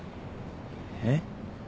えっ？